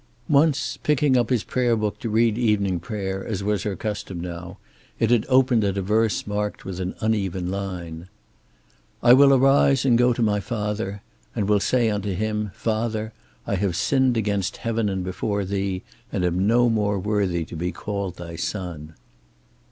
Once, picking up his prayer book to read evening prayer as was her custom now, it had opened at a verse marked with an uneven line: "I will arise and go to my Father, and will say unto Him, Father, I have sinned against Heaven and before Thee, and am no more worthy to be called Thy son."